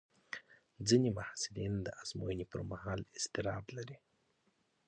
ځینې محصلین د ازموینې پر مهال اضطراب لري.